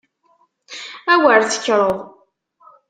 A wer tekkreḍ!